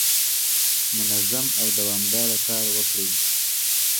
منظم او دوامداره کار وکړئ.